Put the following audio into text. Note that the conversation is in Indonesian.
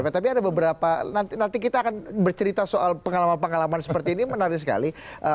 tapi ada beberapa nanti kita akan bercerita soal pengalaman pengalaman seperti ini menarik sekali